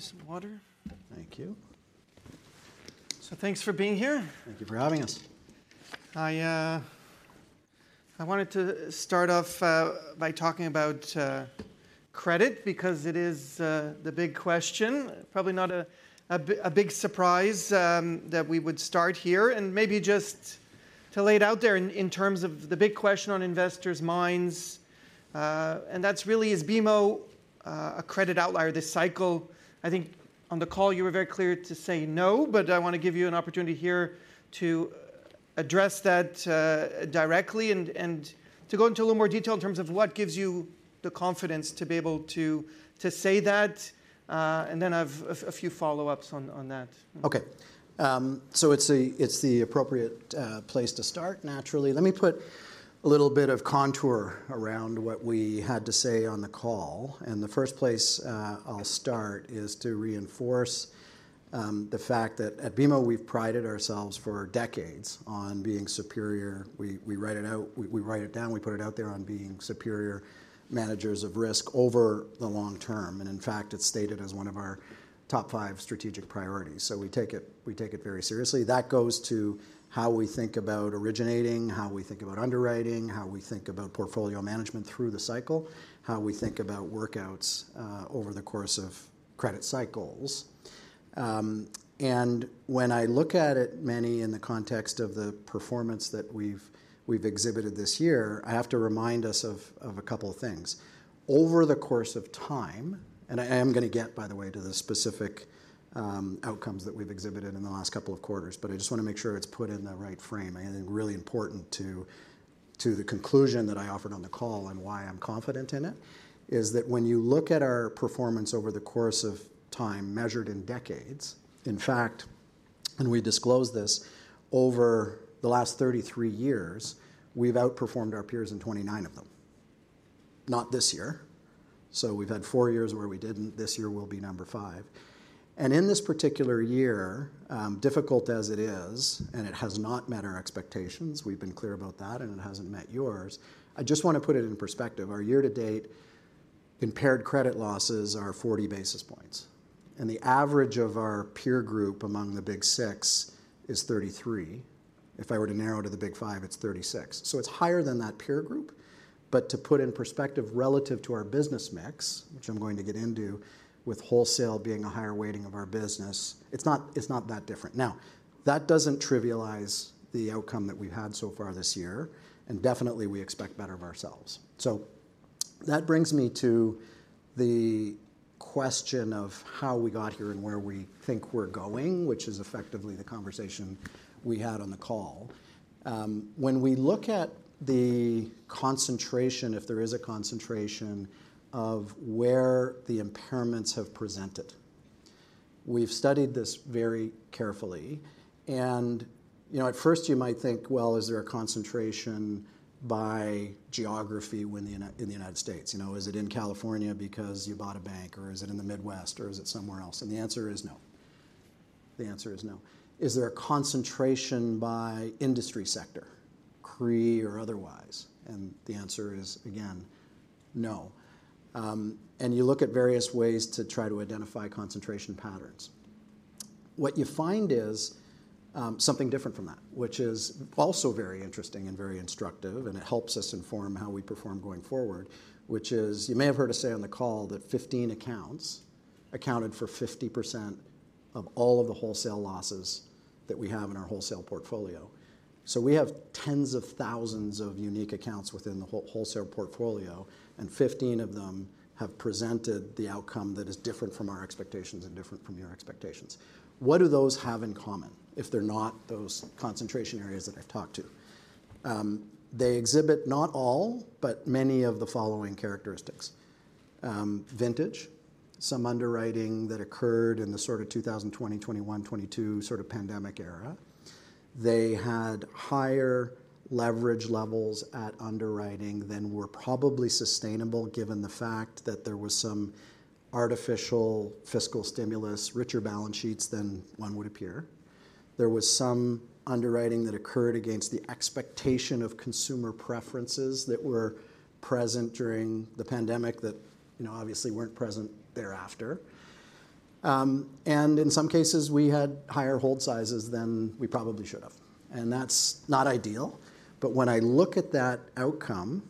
Get you some water. Thank you. So thanks for being here. Thank you for having us. I wanted to start off by talking about credit, because it is the big question. Probably not a big surprise that we would start here, and maybe just to lay it out there in terms of the big question on investors' minds, and that's really, is BMO a credit outlier this cycle? I think on the call you were very clear to say no, but I wanna give you an opportunity here to address that directly, and to go into a little more detail in terms of what gives you the confidence to be able to say that. And then I've a few follow-ups on that. Okay, so it's the appropriate place to start, naturally. Let me put a little bit of contour around what we had to say on the call, and the first place I'll start is to reinforce the fact that at BMO, we've prided ourselves for decades on being superior. We write it out, we write it down, we put it out there on being superior managers of risk over the long term, and in fact, it's stated as one of our top five strategic priorities, so we take it very seriously. That goes to how we think about originating, how we think about underwriting, how we think about portfolio management through the cycle, how we think about workouts over the course of credit cycles. And when I look at it, Meny, in the context of the performance that we've exhibited this year, I have to remind us of a couple things. Over the course of time, and I am gonna get, by the way, to the specific outcomes that we've exhibited in the last couple of quarters, but I just want to make sure it's put in the right frame. I think really important to the conclusion that I offered on the call and why I'm confident in it, is that when you look at our performance over the course of time measured in decades, in fact, and we disclosed this, over the last 33 years, we've outperformed our peers in 29 of them. Not this year. So we've had four years where we didn't. This year will be number five. In this particular year, difficult as it is, and it has not met our expectations. We've been clear about that, and it hasn't met yours. I just want to put it in perspective. Our year-to-date impaired credit losses are 40 basis points, and the average of our peer group among the Big Six is 33. If I were to narrow to the Big Five, it's 36. So it's higher than that peer group, but to put in perspective relative to our business mix, which I'm going to get into, with wholesale being a higher weighting of our business, it's not, it's not that different. Now, that doesn't trivialize the outcome that we've had so far this year, and definitely we expect better of ourselves. So that brings me to the question of how we got here and where we think we're going, which is effectively the conversation we had on the call. When we look at the concentration, if there is a concentration, of where the impairments have presented, we've studied this very carefully. And, you know, at first you might think, well, is there a concentration by geography in the United States? You know, is it in California because you bought a bank, or is it in the Midwest, or is it somewhere else? And the answer is no. The answer is no. Is there a concentration by industry sector, CRE or otherwise? And the answer is, again, no. And you look at various ways to try to identify concentration patterns. What you find is, something different from that, which is also very interesting and very instructive, and it helps us inform how we perform going forward, which is, you may have heard us say on the call that 15 accounts accounted for 50% of all of the wholesale losses that we have in our wholesale portfolio. So we have tens of thousands of unique accounts within the whole wholesale portfolio, and 15 of them have presented the outcome that is different from our expectations and different from your expectations. What do those have in common if they're not those concentration areas that I've talked to? They exhibit, not all, but many of the following characteristics: vintage, some underwriting that occurred in the sort of 2020, 2021, 2022 sort of pandemic era. They had higher leverage levels at underwriting than were probably sustainable, given the fact that there was some artificial fiscal stimulus, richer balance sheets than one would appear. There was some underwriting that occurred against the expectation of consumer preferences that were present during the pandemic that, you know, obviously weren't present thereafter, and in some cases, we had higher hold sizes than we probably should have, and that's not ideal. But when I look at that outcome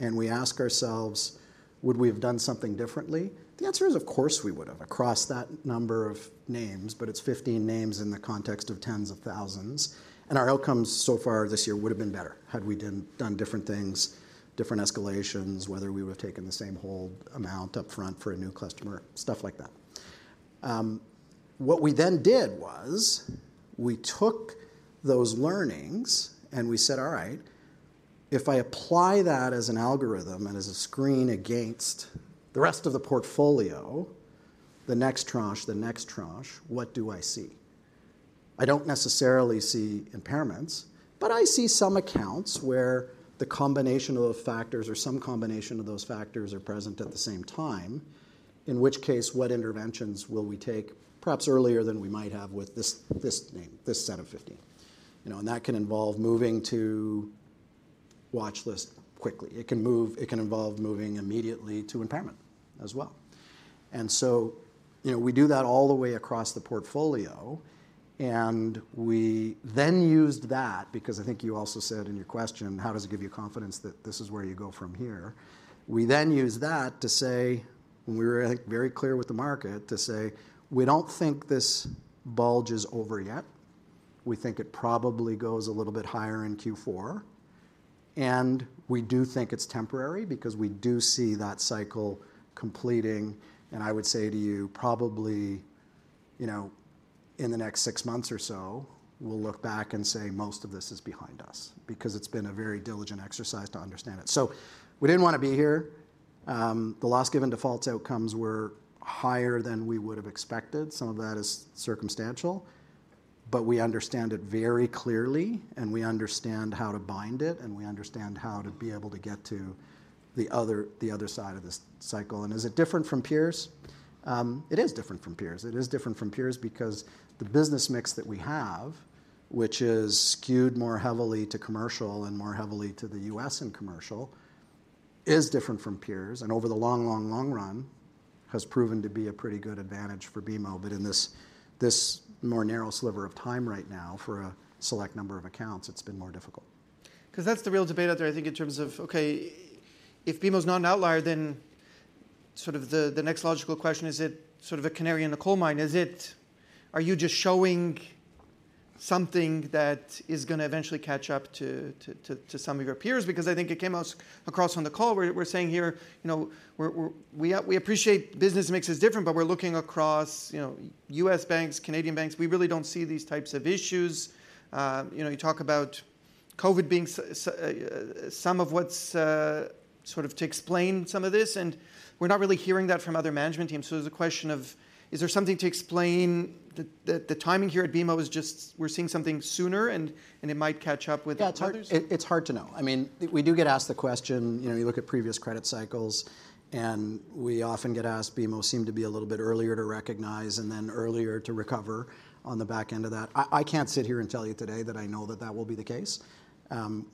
and we ask ourselves: Would we have done something differently? The answer is, of course, we would have, across that number of names, but it's 15 names in the context of tens of thousands, and our outcomes so far this year would have been better had we done different things, different escalations, whether we would have taken the same hold amount upfront for a new customer, stuff like that. What we then did was, we took those learnings and we said, all right, if I apply that as an algorithm and as a screen against the rest of the portfolio, the next tranche, what do I see? I don't necessarily see impairments, but I see some accounts where the combination of those factors or some combination of those factors are present at the same time, in which case, what interventions will we take, perhaps earlier than we might have with this name, this set of 15? You know, and that can involve moving to watch list quickly. It can move, it can involve moving immediately to impairment as well. And so, you know, we do that all the way across the portfolio, and we then used that, because I think you also said in your question, how does it give you confidence that this is where you go from here? We then use that to say, we're, like, very clear with the market, to say, we don't think this bulge is over yet. We think it probably goes a little bit higher in Q4, and we do think it's temporary, because we do see that cycle completing. And I would say to you, probably, you know, in the next 6 months or so, we'll look back and say, most of this is behind us, because it's been a very diligent exercise to understand it. So we didn't wanna be here. The loss given default outcomes were higher than we would have expected. Some of that is circumstantial, but we understand it very clearly, and we understand how to bind it, and we understand how to be able to get to the other side of this cycle. Is it different from peers? It is different from peers. It is different from peers because the business mix that we have, which is skewed more heavily to commercial and more heavily to the U.S., and commercial, is different from peers, and over the long, long, long run, has proven to be a pretty good advantage for BMO. In this more narrow sliver of time right now, for a select number of accounts, it's been more difficult. 'Cause that's the real debate out there, I think, in terms of, okay, if BMO's not an outlier, then sort of the next logical question, is it sort of a canary in the coal mine? Is it, are you just showing something that is gonna eventually catch up to some of your peers? Because I think it came out across from the call, we're saying here, you know, we appreciate business mix is different, but we're looking across, you know, U.S. banks, Canadian banks. We really don't see these types of issues. You know, you talk about COVID being something, some of what's sort of to explain some of this, and we're not really hearing that from other management teams. There's a question of, is there something to explain the timing here at BMO? Is just we're seeing something sooner, and it might catch up with others? Yeah, it's hard to know. I mean, we do get asked the question, you know, you look at previous credit cycles, and we often get asked, BMO seemed to be a little bit earlier to recognize and then earlier to recover on the back end of that. I can't sit here and tell you today that I know that that will be the case.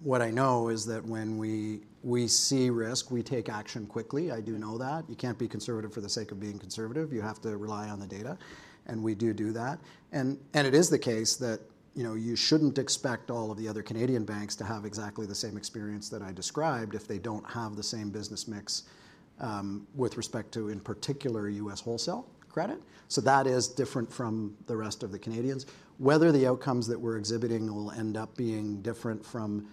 What I know is that when we see risk, we take action quickly. I do know that. You can't be conservative for the sake of being conservative. You have to rely on the data, and we do do that. It is the case that, you know, you shouldn't expect all of the other Canadian banks to have exactly the same experience that I described if they don't have the same business mix, with respect to, in particular, U.S. wholesale credit. So that is different from the rest of the Canadians. Whether the outcomes that we're exhibiting will end up being different from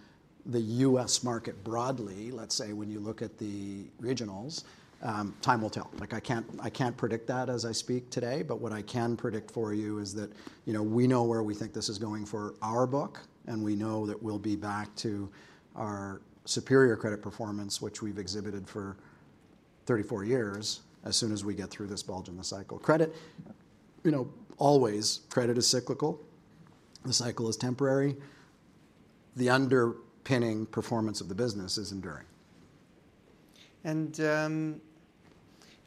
the U.S. market broadly, let's say, when you look at the regionals, time will tell, like, I can't predict that as I speak today, but what I can predict for you is that, you know, we know where we think this is going for our book, and we know that we'll be back to our superior credit performance, which we've exhibited for 34 years, as soon as we get through this bulge in the cycle. Credit, you know, always, credit is cyclical. The cycle is temporary. The underpinning performance of the business is enduring. And, you know,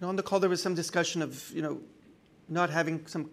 on the call, there was some discussion of, you know, not having some,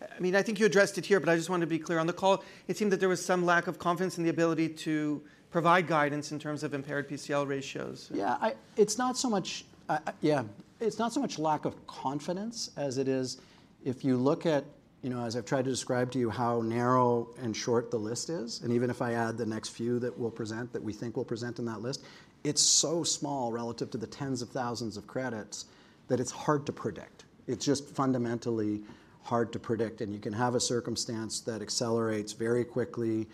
I mean, I think you addressed it here, but I just want to be clear. On the call, it seemed that there was some lack of confidence in the ability to provide guidance in terms of impaired PCL ratios. Yeah, it's not so much lack of confidence as it is, if you look at, you know, as I've tried to describe to you, how narrow and short the list is, and even if I add the next few that we'll present, that we think will present in that list, it's so small relative to the tens of thousands of credits that it's hard to predict. It's just fundamentally hard to predict, and you can have a circumstance that accelerates very quickly.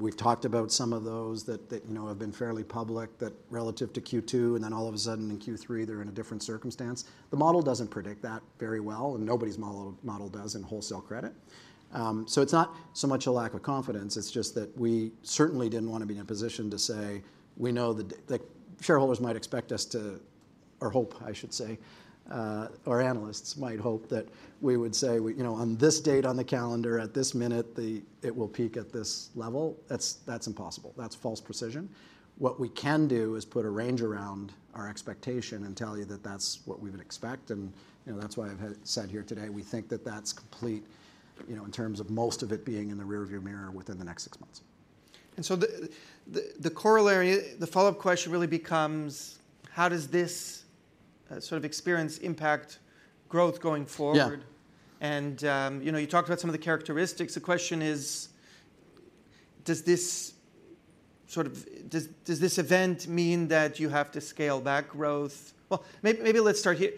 We've talked about some of those that you know have been fairly public, that relative to Q2, and then all of a sudden in Q3, they're in a different circumstance. The model doesn't predict that very well, and nobody's model does in wholesale credit. So it's not so much a lack of confidence. It's just that we certainly didn't want to be in a position to say we know the shareholders might expect us to or hope, I should say, or analysts might hope, that we would say, you know, on this date, on the calendar, at this minute, it will peak at this level. That's impossible. That's false precision. What we can do is put a range around our expectation and tell you that that's what we would expect, and, you know, that's why I've said here today. We think that that's complete, you know, in terms of most of it being in the rear view mirror within the next 6 months. So the corollary, the follow-up question really becomes: How does this sort of experience impact growth going forward? Yeah. You know, you talked about some of the characteristics. The question is, does this sort of event mean that you have to scale back growth? Maybe let's start here,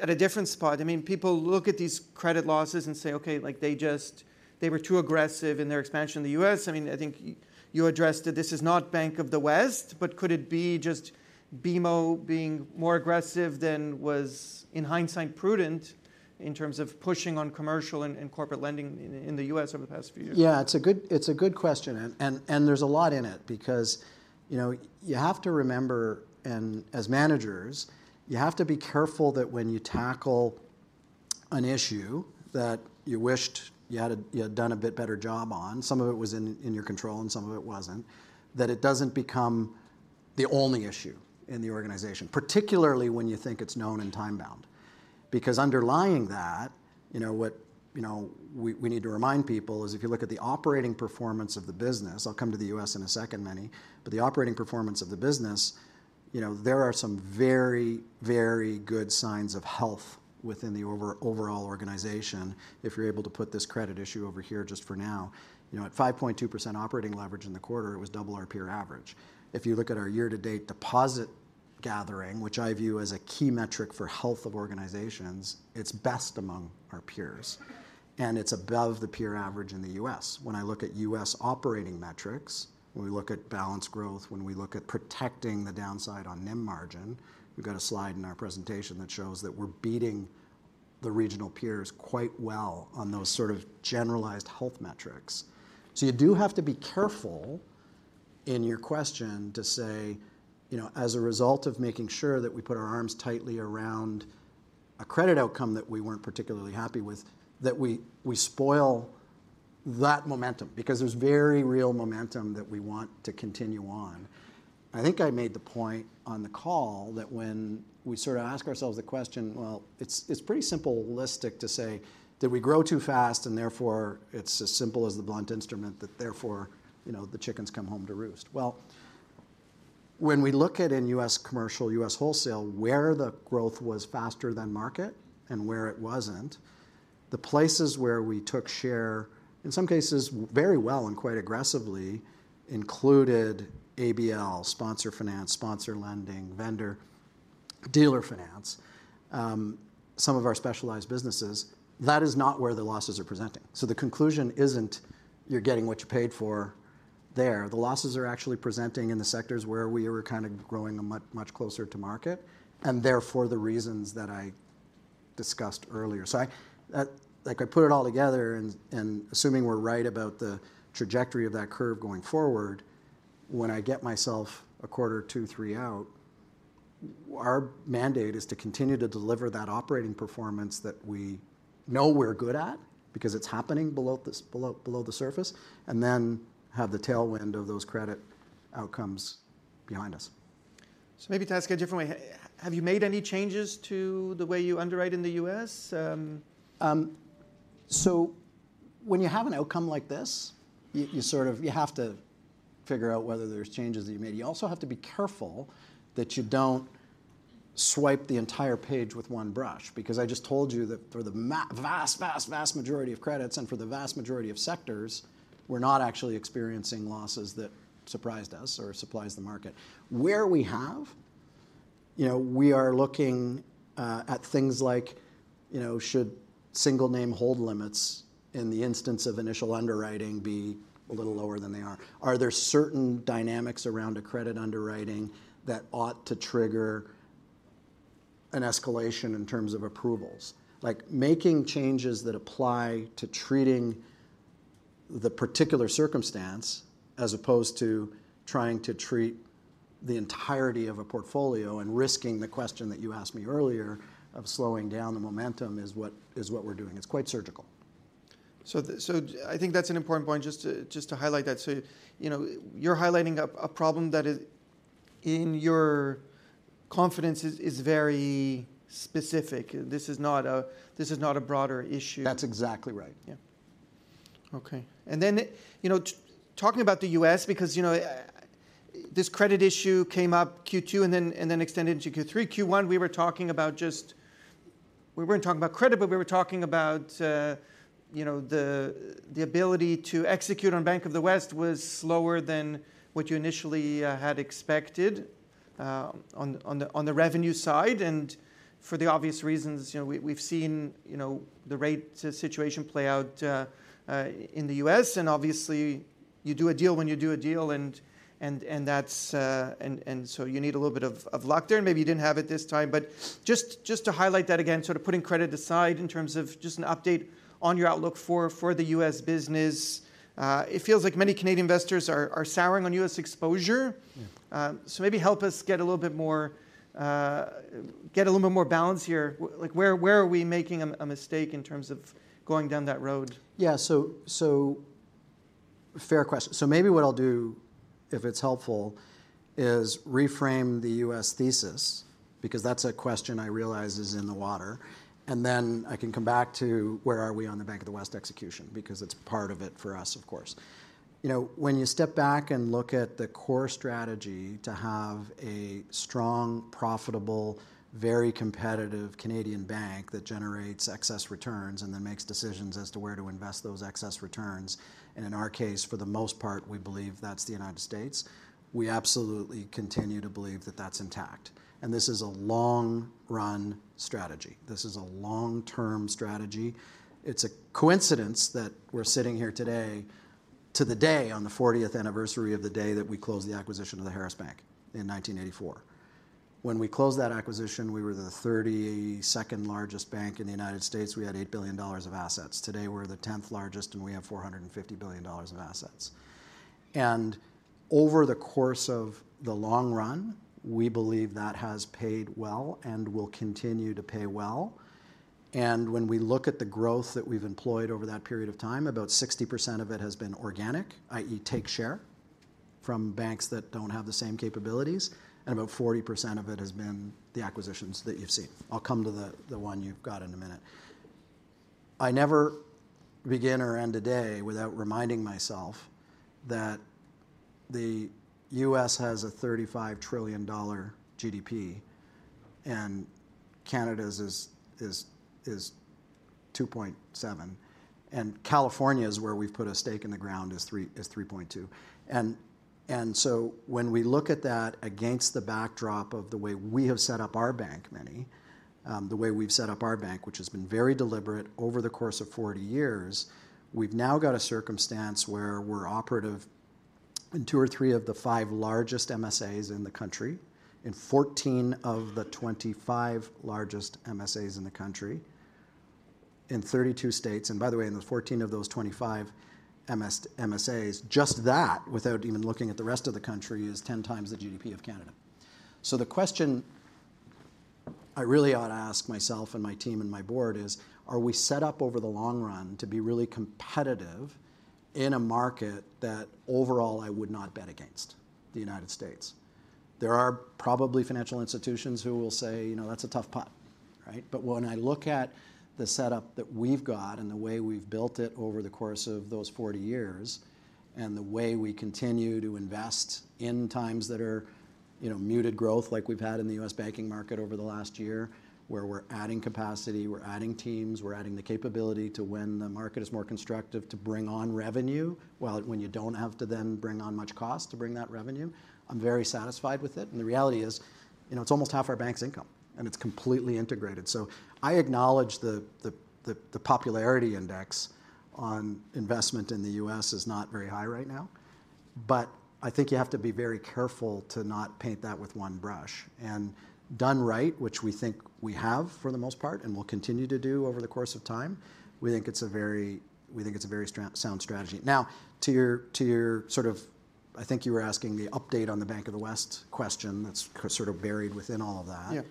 at a different spot. I mean, people look at these credit losses and say, okay, like, they just were too aggressive in their expansion in the U.S. I mean, I think you addressed that this is not Bank of the West, but could it be just BMO being more aggressive than was, in hindsight, prudent in terms of pushing on commercial and corporate lending in the U.S. over the past few years? Yeah, it's a good question, and there's a lot in it because, you know, you have to remember, and as managers, you have to be careful that when you tackle an issue that you wished you had done a bit better job on, some of it was in your control and some of it wasn't, that it doesn't become the only issue in the organization, particularly when you think it's known and time-bound. Because underlying that, you know, we need to remind people is if you look at the operating performance of the business, I'll come to the U.S. in a second, Meny, but the operating performance of the business, you know, there are some very, very good signs of health within the overall organization if you're able to put this credit issue over here just for now. You know, at 5.2% operating leverage in the quarter, it was double our peer average. If you look at our year-to-date deposit gathering, which I view as a key metric for health of organizations, it's best among our peers, and it's above the peer average in the U.S. When I look at U.S. operating metrics, when we look at balance growth, when we look at protecting the downside on NIM margin, we've got a slide in our presentation that shows that we're beating the regional peers quite well on those sort of generalized health metrics. So you do have to be careful in your question to say, you know, as a result of making sure that we put our arms tightly around a credit outcome that we weren't particularly happy with, that we spoil that momentum, because there's very real momentum that we want to continue on. I think I made the point on the call that when we sort of ask ourselves the question, well, it's pretty simplistic to say, did we grow too fast, and therefore it's as simple as the blunt instrument, that therefore, you know, the chickens come home to roost? Well, when we look at in U.S. commercial, U.S. wholesale, where the growth was faster than market and where it wasn't, the places where we took share, in some cases very well and quite aggressively, included ABL, sponsor finance, sponsor lending, vendor, dealer finance, some of our specialized businesses, that is not where the losses are presenting. So the conclusion isn't you're getting what you paid for there. The losses are actually presenting in the sectors where we were kind of growing much, much closer to market, and therefore, the reasons that I discussed earlier. So, like I put it all together, and assuming we're right about the trajectory of that curve going forward, when I get myself a quarter, two, three out, our mandate is to continue to deliver that operating performance that we know we're good at because it's happening below the surface, and then have the tailwind of those credit outcomes behind us. So maybe to ask a different way, have you made any changes to the way you underwrite in the U.S.? So when you have an outcome like this, you sort of have to figure out whether there's changes that you made. You also have to be careful that you don't swipe the entire page with one brush, because I just told you that for the vast majority of credits and for the vast majority of sectors, we're not actually experiencing losses that surprised us or surprised the market. Where we have, you know, we are looking at things like, you know, should single name hold limits, in the instance of initial underwriting, be a little lower than they are? Are there certain dynamics around a credit underwriting that ought to trigger an escalation in terms of approvals? Like, making changes that apply to treating the particular circumstance, as opposed to trying to treat the entirety of a portfolio and risking the question that you asked me earlier of slowing down the momentum, is what we're doing. It's quite surgical. So, I think that's an important point, just to highlight that. So, you know, you're highlighting a problem that is, in your confidence, very specific. This is not a broader issue. That's exactly right. Yeah. Okay. And then, you know, talking about the U.S., because, you know, this credit issue came up Q2 and then extended into Q3. Q1, we were talking about just, we weren't talking about credit, but we were talking about, you know, the ability to execute on Bank of the West was slower than what you initially had expected, on the revenue side. And for the obvious reasons, you know, we've seen, you know, the rate situation play out in the U.S., and obviously, you do a deal when you do a deal, and that's, and so you need a little bit of luck there, and maybe you didn't have it this time. Just to highlight that again, sort of putting credit aside in terms of just an update on your outlook for the U.S. business. It feels like many Canadian investors are souring on U.S. exposure. Yeah. So maybe help us get a little bit more, get a little more balance here. Like, where, where are we making a mistake in terms of going down that road? Yeah, so, so fair question. So maybe what I'll do, if it's helpful, is reframe the U.S. thesis, because that's a question I realize is in the water, and then I can come back to where are we on the Bank of the West execution? Because it's part of it for us, of course. You know, when you step back and look at the core strategy, to have a strong, profitable, very competitive Canadian bank that generates excess returns and then makes decisions as to where to invest those excess returns, and in our case, for the most part, we believe that's the United States, we absolutely continue to believe that that's intact, and this is a long-run strategy. This is a long-term strategy. It's a coincidence that we're sitting here today to the day on the 40 anniversary of the day that we closed the acquisition of the Harris Bank in 1984. When we closed that acquisition, we were the 32 largest bank in the United States. We had $8 billion of assets. Today, we're the 10 largest, and we have $450 billion of assets. And over the course of the long run, we believe that has paid well and will continue to pay well, and when we look at the growth that we've employed over that period of time, about 60% of it has been organic, i.e., take share from banks that don't have the same capabilities, and about 40% of it has been the acquisitions that you've seen. I'll come to the one you've got in a minute. I never begin or end a day without reminding myself that the U.S. has a $35 trillion GDP, and Canada's is 2.7 trillion, and California's, where we've put a stake in the ground, is 3.2 trillion. And so when we look at that against the backdrop of the way we have set up our bank, Meny, the way we've set up our bank, which has been very deliberate over the course of 40 years, we've now got a circumstance where we're operative in two or three of the five largest MSAs in the country, in 14 of the 25 largest MSAs in the country, in 32 states. And by the way, in the 14 of those 25 MSAs, just that, without even looking at the rest of the country, is 10 times the GDP of Canada. So the question I really ought to ask myself and my team and my board is: Are we set up over the long run to be really competitive in a market that, overall, I would not bet against the United States? There are probably financial institutions who will say, you know, that's a tough pot, right? But when I look at the setup that we've got and the way we've built it over the course of those 40 years, and the way we continue to invest in times that are, you know, muted growth like we've had in the U.S. banking market over the last year, where we're adding capacity, we're adding teams, we're adding the capability to, when the market is more constructive, to bring on revenue, while, when you don't have to then bring on much cost to bring that revenue, I'm very satisfied with it. And the reality is, you know, it's almost half our bank's income, and it's completely integrated. So I acknowledge the popularity index on investment in the U.S. is not very high right now. But I think you have to be very careful to not paint that with one brush. And done right, which we think we have, for the most part, and will continue to do over the course of time, we think it's a very sound strategy. Now, to your sort of, I think you were asking the update on the Bank of the West question that's sort of buried within all of that.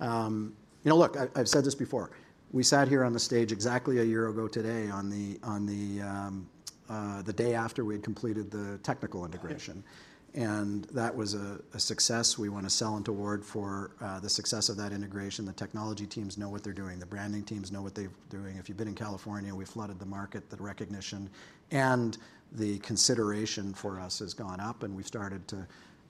Yeah. You know, look, I've said this before. We sat here on the stage exactly a year ago today on the day after we had completed the technical integration. Right. And that was a success. We won a Celent Award for the success of that integration. The technology teams know what they're doing. The branding teams know what they're doing. If you've been in California, we flooded the market. The recognition and the consideration for us has gone up, and we've started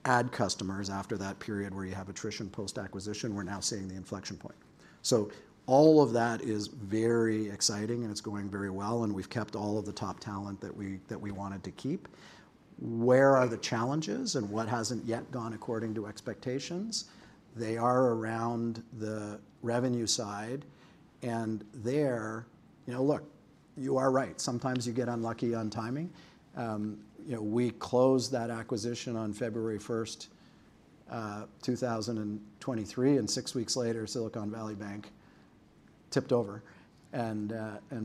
to add customers after that period where you have attrition post-acquisition. We're now seeing the inflection point. So all of that is very exciting, and it's going very well, and we've kept all of the top talent that we wanted to keep. Where are the challenges, and what hasn't yet gone according to expectations? They are around the revenue side, and there. You know, look, you are right. Sometimes you get unlucky on timing. You know, we closed that acquisition on February 1st, 2023, and 6 weeks later, Silicon Valley Bank tipped over, and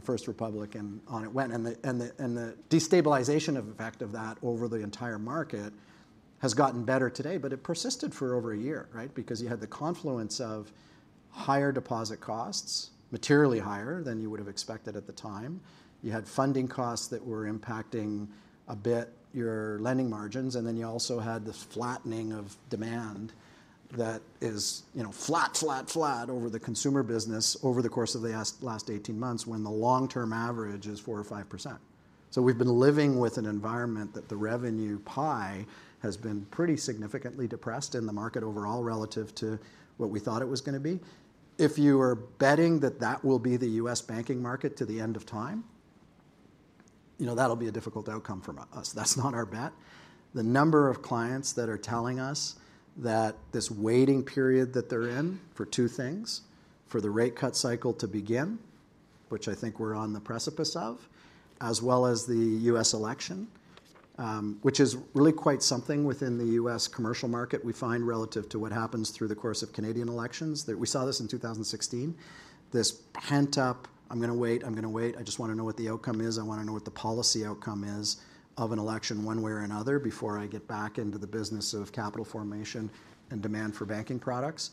First Republic, and on it went. And the destabilizing effect of that over the entire market has gotten better today, but it persisted for over a year, right? Because you had the confluence of higher deposit costs, materially higher than you would have expected at the time. You had funding costs that were impacting a bit your lending margins, and then you also had this flattening of demand that is, you know, flat, flat, flat over the consumer business over the course of the last 18 months, when the long-term average is 4% or 5%. So we've been living with an environment that the revenue pie has been pretty significantly depressed in the market overall, relative to what we thought it was gonna be. If you are betting that that will be the U.S. banking market to the end of time, you know, that'll be a difficult outcome from us. That's not our bet. The number of clients that are telling us that this waiting period that they're in, for two things: for the rate cut cycle to begin, which I think we're on the precipice of, as well as the U.S. election, which is really quite something within the U.S. commercial market, we find, relative to what happens through the course of Canadian elections. That we saw this in 2016, this pent-up, I'm gonna wait, I'm gonna wait. I just wanna know what the outcome is. I wanna know what the policy outcome is of an election, one way or another, before I get back into the business of capital formation and demand for banking products.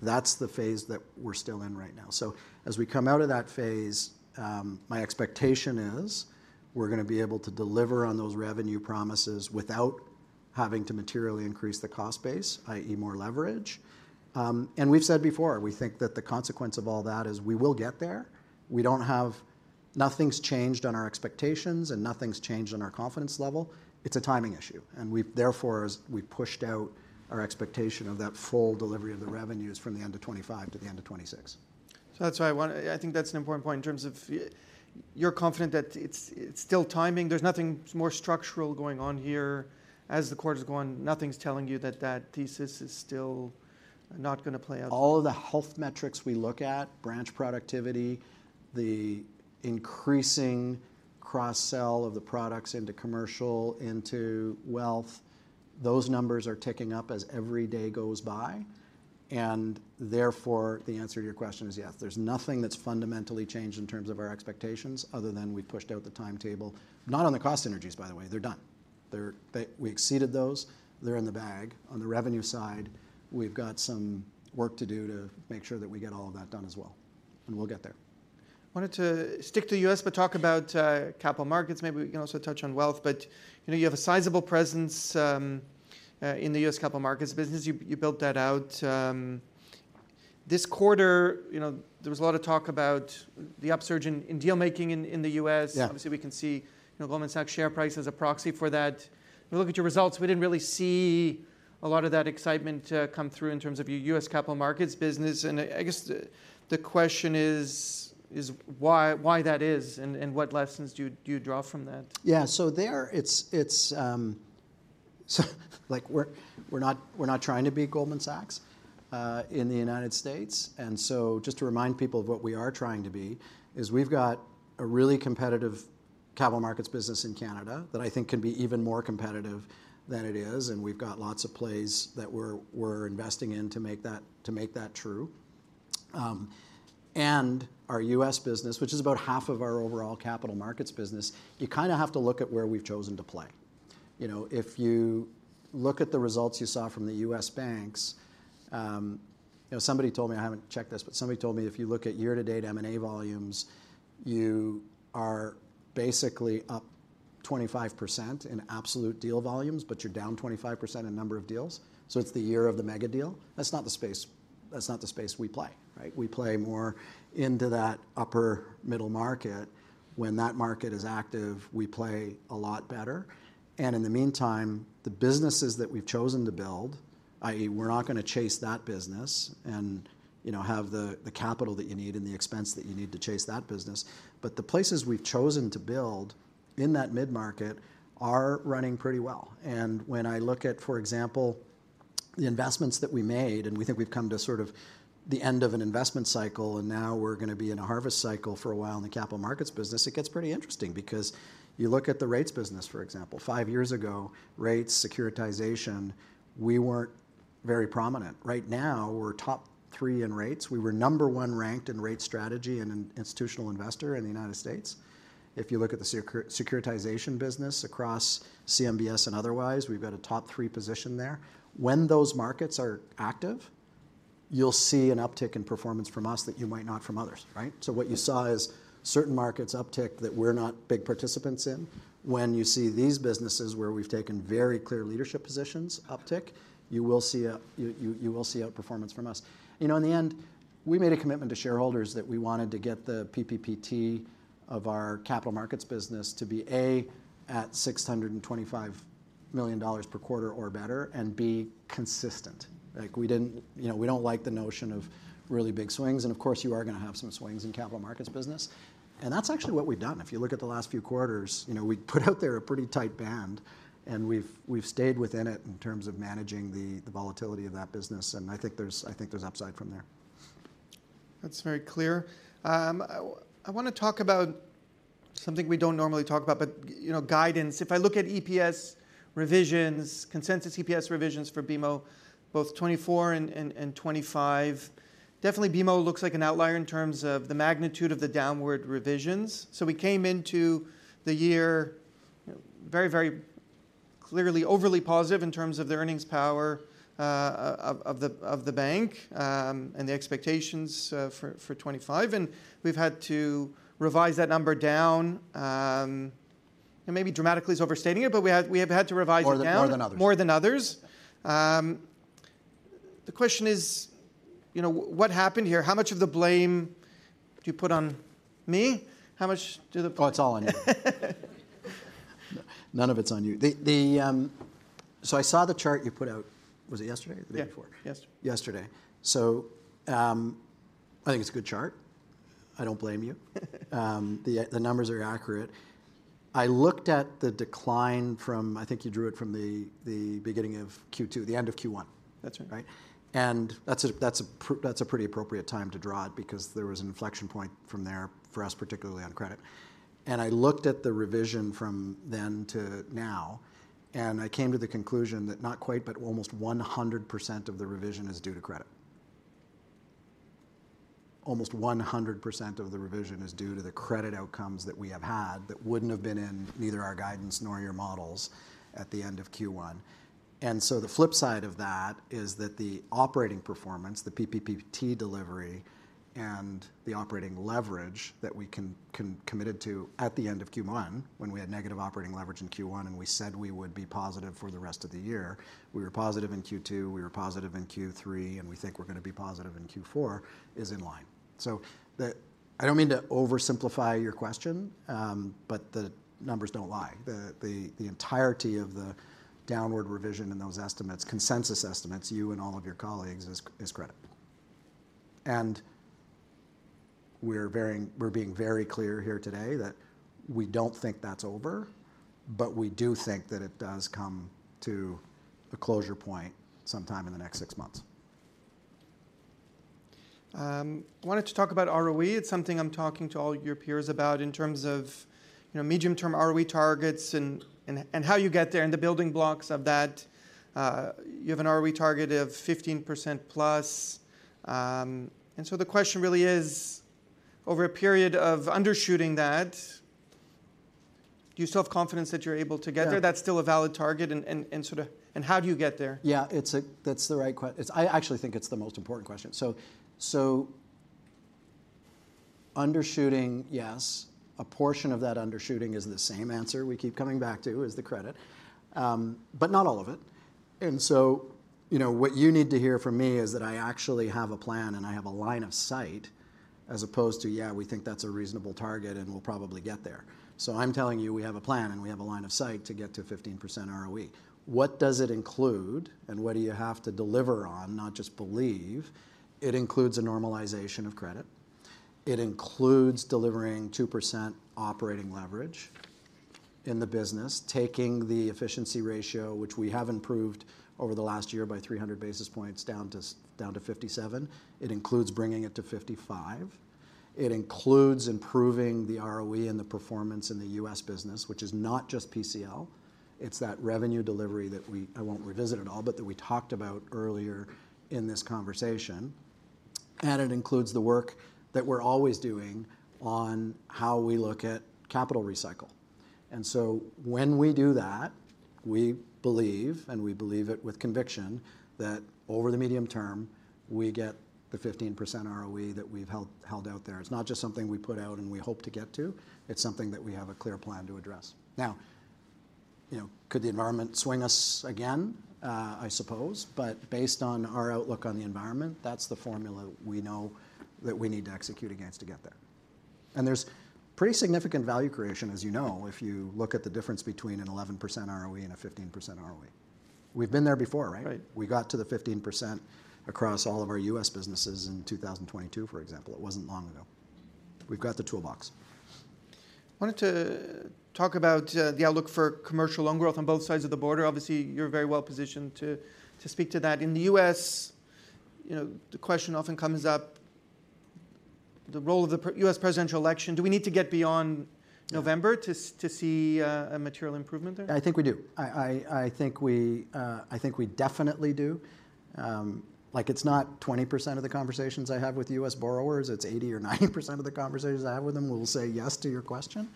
That's the phase that we're still in right now. So as we come out of that phase, my expectation is we're gonna be able to deliver on those revenue promises without having to materially increase the cost base, i.e., more leverage. And we've said before, we think that the consequence of all that is we will get there. Nothing's changed on our expectations, and nothing's changed on our confidence level. It's a timing issue, and we've therefore, as we pushed out our expectation of that full delivery of the revenues from the end of 2025 to the end of 2026. So that's why I want to. I think that's an important point in terms of you're confident that it's still timing. There's nothing more structural going on here. As the quarter's going, nothing's telling you that thesis is still not gonna play out? All the health metrics we look at, branch productivity, the increasing cross-sell of the products into commercial, into wealth, those numbers are ticking up as every day goes by. And therefore, the answer to your question is yes. There's nothing that's fundamentally changed in terms of our expectations, other than we've pushed out the timetable. Not on the cost synergies, by the way, they're done. We exceeded those. They're in the bag. On the revenue side, we've got some work to do to make sure that we get all of that done as well, and we'll get there. I wanted to stick to the U.S., but talk about capital markets. Maybe we can also touch on wealth, but, you know, you have a sizable presence in the U.S. capital markets business. You built that out. This quarter, you know, there was a lot of talk about the upsurge in deal making in the U.S. Yeah. Obviously, we can see, you know, Goldman Sachs share price as a proxy for that. If we look at your results, we didn't really see a lot of that excitement come through in terms of your U.S. capital markets business, and I guess the question is why that is, and what lessons do you draw from that? Yeah. So it's like we're not trying to be Goldman Sachs in the United States. And so just to remind people of what we are trying to be is we've got a really competitive capital markets business in Canada that I think can be even more competitive than it is, and we've got lots of plays that we're investing in to make that true. And our U.S. business, which is about half of our overall capital markets business, you kind of have to look at where we've chosen to play. You know, if you look at the results you saw from the US banks. You know, somebody told me, I haven't checked this, but somebody told me if you look at year-to-date M&A volumes, you are basically up 25% in absolute deal volumes, but you're down 25% in number of deals, so it's the year of the mega deal. That's not the space, that's not the space we play, right? We play more into that upper middle market. When that market is active, we play a lot better, and in the meantime, the businesses that we've chosen to build, i.e., we're not gonna chase that business and, you know, have the capital that you need and the expense that you need to chase that business. But the places we've chosen to build in that mid-market are running pretty well. When I look at, for example, the investments that we made, and we think we've come to sort of the end of an investment cycle, and now we're gonna be in a harvest cycle for a while in the capital markets business, it gets pretty interesting because you look at the rates business, for example. Five years ago, rates, securitization, we weren't very prominent. Right now, we're top three in rates. We were number one ranked in rate strategy in an Institutional Investor in the United States. If you look at the securitization business across CMBS and otherwise, we've got a top three position there. When those markets are active, you'll see an uptick in performance from us that you might not from others, right? So what you saw is certain markets uptick that we're not big participants in. When you see these businesses where we've taken very clear leadership positions uptick, you will see outperformance from us. You know, in the end, we made a commitment to shareholders that we wanted to get the PPPT of our capital markets business to be, A, at 625 million dollars per quarter or better, and, B, consistent. Like, you know, we don't like the notion of really big swings, and of course, you are gonna have some swings in capital markets business, and that's actually what we've done. If you look at the last few quarters, you know, we've put out there a pretty tight band, and we've stayed within it in terms of managing the volatility of that business, and I think there's upside from there. That's very clear. I wanna talk about something we don't normally talk about, but, you know, guidance. If I look at EPS revisions, consensus EPS revisions for BMO, both 2024 and 2025, definitely BMO looks like an outlier in terms of the magnitude of the downward revisions. So we came into the year, you know, very, very clearly overly positive in terms of the earnings power of the bank, and the expectations for 2025, and we've had to revise that number down. And maybe dramatically is overstating it, but we have had to revise it down. More than others. More than others. The question is, you know, what happened here? How much of the blame do you put on me? How much do the— Oh, it's all on you. None of it's on you. The, so I saw the chart you put out. Was it yesterday or the day before? Yeah, yesterday. Yesterday. So, I think it's a good chart. I don't blame you. The numbers are accurate. I looked at the decline from, I think you drew it from the beginning of Q2, the end of Q1. That's right. Right? And that's a pretty appropriate time to draw it because there was an inflection point from there for us, particularly on credit. And I looked at the revision from then to now, and I came to the conclusion that not quite, but almost 100% of the revision is due to credit. Almost 100% of the revision is due to the credit outcomes that we have had that wouldn't have been in neither our guidance nor your models at the end of Q1. And so the flip side of that is that the operating performance, the PPPT delivery, and the operating leverage that we committed to at the end of Q1, when we had negative operating leverage in Q1, and we said we would be positive for the rest of the year. We were positive in Q2, we were positive in Q3, and we think we're gonna be positive in Q4, is in line. So, I don't mean to oversimplify your question, but the numbers don't lie. The entirety of the downward revision in those estimates, consensus estimates, you and all of your colleagues, is credit. And we're being very clear here today that we don't think that's over, but we do think that it does come to a closure point sometime in the next 6 months. I wanted to talk about ROE. It's something I'm talking to all your peers about in terms of, you know, medium-term ROE targets and how you get there, and the building blocks of that. You have an ROE target of 15% plus. So the question really is, over a period of undershooting that, do you still have confidence that you're able to get there? Yeah. That's still a valid target, and how do you get there? Yeah, that's the right question. I actually think it's the most important question. So, undershooting, yes, a portion of that undershooting is the same answer we keep coming back to, is the credit, but not all of it. And so, you know, what you need to hear from me is that I actually have a plan, and I have a line of sight, as opposed to, yeah, we think that's a reasonable target, and we'll probably get there. So I'm telling you, we have a plan, and we have a line of sight to get to 15% ROE. What does it include, and what do you have to deliver on, not just believe? It includes a normalization of credit. It includes delivering 2% operating leverage in the business, taking the efficiency ratio, which we have improved over the last year by 300 basis points, down to 57. It includes bringing it to 55. It includes improving the ROE and the performance in the U.S. business, which is not just PCL, it's that revenue delivery that I won't revisit at all, but that we talked about earlier in this conversation. It includes the work that we're always doing on how we look at capital recycle. So when we do that, we believe, and we believe it with conviction, that over the medium term, we get the 15% ROE that we've held out there. It's not just something we put out and we hope to get to, it's something that we have a clear plan to address. Now, you know, could the environment swing us again? I suppose, but based on our outlook on the environment, that's the formula we know that we need to execute against to get there. And there's pretty significant value creation, as you know, if you look at the difference between an 11% ROE and a 15% ROE. We've been there before, right? Right. We got to the 15% across all of our U.S. businesses in 2022, for example. It wasn't long ago. We've got the toolbox. I wanted to talk about the outlook for commercial loan growth on both sides of the border. Obviously, you're very well positioned to speak to that. In the U.S., you know, the question often comes up, the role of the U.S. presidential election: Do we need to get beyond— No November to see a material improvement there? I think we do. I think we definitely do. Like, it's not 20% of the conversations I have with U.S. borrowers, it's 80% or 90% of the conversations I have with them will say yes to your question,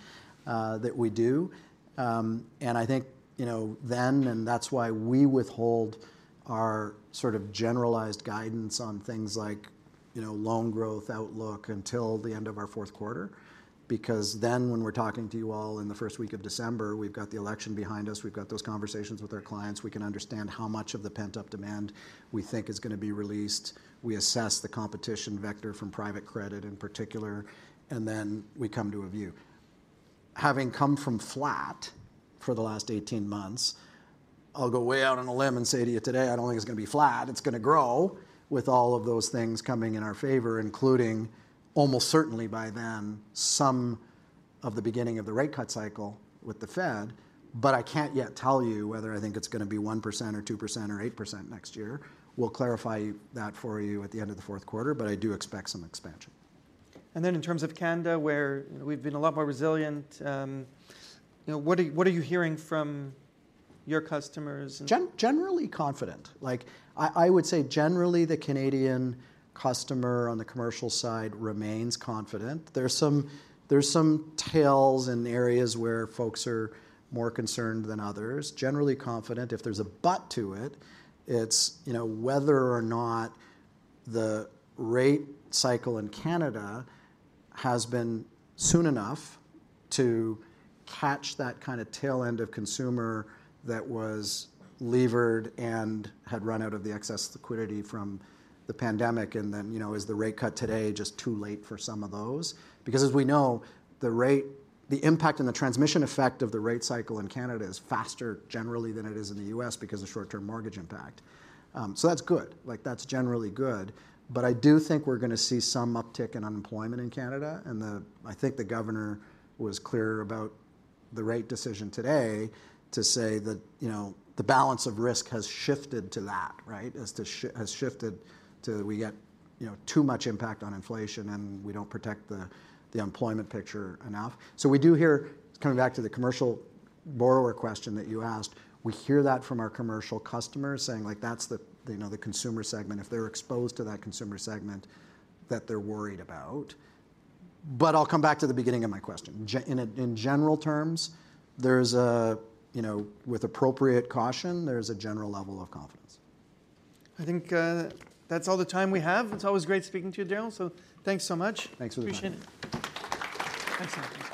that we do, and I think, you know, that's why we withhold our sort of generalized guidance on things like, you know, loan growth outlook until the end of our fourth quarter, because then, when we're talking to you all in the first week of December, we've got the election behind us, we've got those conversations with our clients. We can understand how much of the pent-up demand we think is gonna be released. We assess the competition vector from private credit in particular, and then we come to a view. Having come from flat for the last 18 months, I'll go way out on a limb and say to you today, I don't think it's gonna be flat. It's gonna grow with all of those things coming in our favor, including almost certainly by then, some of the beginning of the rate cut cycle with the Fed. But I can't yet tell you whether I think it's gonna be 1% or 2% or 8% next year. We'll clarify that for you at the end of the fourth quarter, but I do expect some expansion. And then in terms of Canada, where we've been a lot more resilient, you know, what are you hearing from your customers and— Generally confident. Like, I would say, generally, the Canadian customer on the commercial side remains confident. There's some tails in areas where folks are more concerned than others. Generally confident. If there's a but to it, it's, you know, whether or not the rate cycle in Canada has been soon enough to catch that kind of tail end of consumer that was levered and had run out of the excess liquidity from the pandemic, and then, you know, is the rate cut today just too late for some of those? Because, as we know, the impact and the transmission effect of the rate cycle in Canada is faster generally than it is in the U.S. because of short-term mortgage impact. So that's good. Like, that's generally good, but I do think we're gonna see some uptick in unemployment in Canada. And the I think the governor was clear about the right decision today, to say that, you know, the balance of risk has shifted to that, right? It has shifted to we get, you know, too much impact on inflation, and we don't protect the employment picture enough. So, coming back to the commercial borrower question that you asked, we hear that from our commercial customers, saying, like, that's the consumer segment, if they're exposed to that consumer segment, that they're worried about. But I'll come back to the beginning of my question. Just in general terms, there's a, you know, with appropriate caution, there's a general level of confidence. I think, that's all the time we have. It's always great speaking to you, Darryl, so thanks so much. Thanks for the time. Appreciate it. Excellent. Thanks.